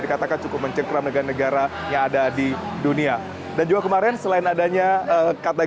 dikatakan cukup mencengkram negara negara yang ada di dunia dan juga kemarin selain adanya kata